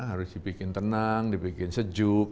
harus dibikin tenang dibikin sejuk